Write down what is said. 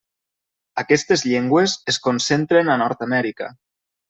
Aquestes llengües es concentren a Nord-amèrica.